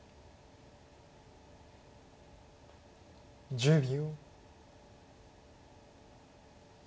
１０秒。